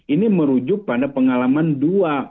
ini merujuk pada pengalaman dua